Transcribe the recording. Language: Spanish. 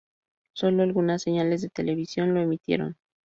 Solo algunas señales de televisión lo emitieron.